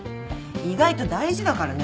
意外と大事だからね